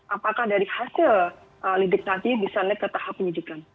apakah dari hasil lidik nanti bisa naik ke tahap penyidikan